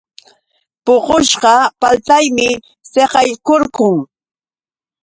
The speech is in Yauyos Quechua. Puqushqa paltaymi saqaykurqun.